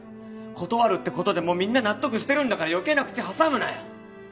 断るってことでもうみんな納得してるんだから余計な口挟むなよ